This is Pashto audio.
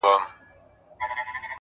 د اشعارو هنریتروان والی